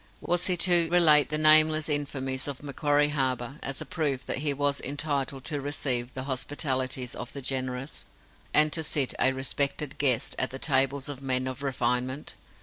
Was he to relate the nameless infamies of Macquarie Harbour as a proof that he was entitled to receive the hospitalities of the generous, and to sit, a respected guest, at the tables of men of refinement?